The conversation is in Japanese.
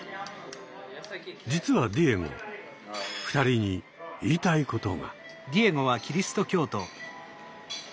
実はディエゴ２人に言いたいことが。